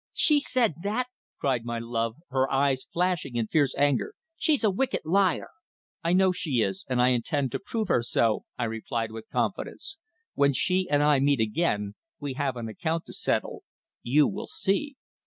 "She said that?" cried my love, her eyes flashing in fierce anger. "She's a wicked liar." "I know she is, and I intend to prove her so," I replied with confidence. "When she and I meet again we have an account to settle. You will see."